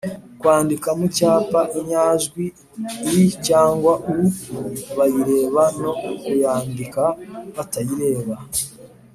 -kwandika mu cyapa inyajwi i cyangwa u bayireba no kuyandika batayireba.